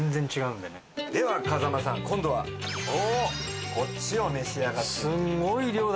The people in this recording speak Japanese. では風間さん今度はこっちを召し上がって。